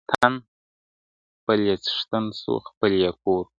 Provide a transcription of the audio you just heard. خپل وطن خپل یې څښتن سو خپل یې کور سو!